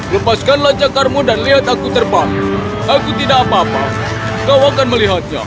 lepaskanlah cakarmu dan lihat aku terbang aku tidak apa apa kau akan melihatnya